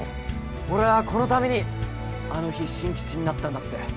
俺ぁこのためにあの日進吉になったんだって。